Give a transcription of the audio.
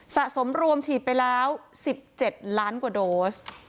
สะสมรวมฉีดไปแล้ว๑๗ล้านกว่าโดส